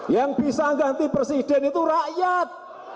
yang bisa ganti presiden itu rakyat